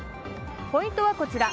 ポイントはこちら。